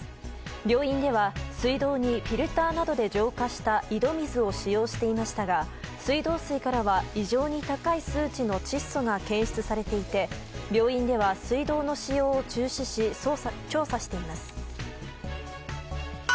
病院では水道にフィルターなどで浄化した井戸水を使用していましたが水道水からは異常に高い数値の窒素が検出されていて病院では水道の使用を中止し、調査しています。